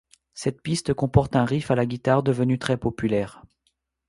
Cette piste comporte un riff à la guitare devenu très populaire.